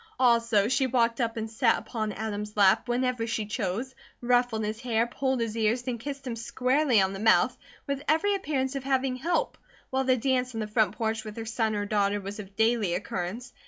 Also she walked up and sat upon Adam's lap whenever she chose, ruffled his hair, pulled his ears, and kissed him squarely on the mouth, with every appearance of having help, while the dance on the front porch with her son or daughter was of daily occurrence.